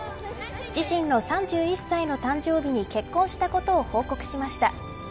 自身の３１歳の誕生日に結婚したことを報告しました。